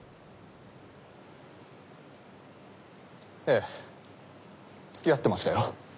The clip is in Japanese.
ええ付き合ってましたよ。